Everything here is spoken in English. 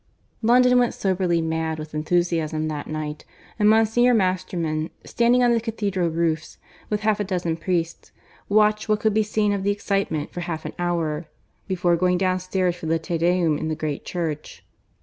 (IV) London went soberly mad with enthusiasm that night, and Monsignor Masterman, standing on the cathedral roofs with half a dozen priests, watched what could be seen of the excitement for half an hour, before going downstairs for the Te Deum in the great church.